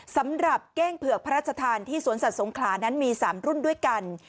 เก้งเผือกพระราชทานที่สวนสัตว์สงขลานั้นมี๓รุ่นด้วยกัน